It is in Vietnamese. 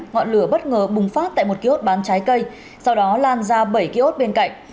ngọn lửa bất ngờ bùng phát tại một ký ốt bán trái cây sau đó lan ra bảy ký ốt bên cạnh